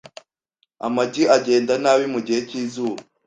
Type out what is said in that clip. Amagi agenda nabi mugihe cyizuba .